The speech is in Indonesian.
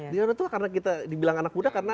dia udah tua karena kita dibilang anak muda karena